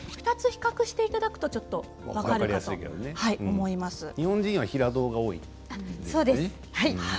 ２つを比較していただくと分かるかと思います。